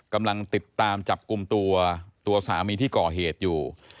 กำลังติดตามจับกลุ่มตัวตัวสามีที่ก่อเหตุอยู่